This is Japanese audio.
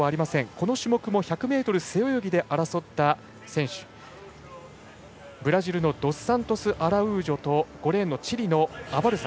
この種目も１００ｍ背泳ぎで争った選手ブラジルのドスサントスアラウージョと５レーンのチリのアバルサ。